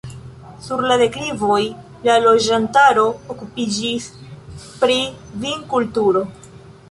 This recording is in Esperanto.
Sur la deklivoj la loĝantaro okupiĝis pri vinkulturo.